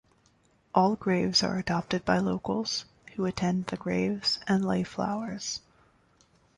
All graves are adopted by locals, who attend the graves and lay flowers.